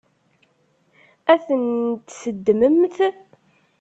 Ad tent-teddmemt?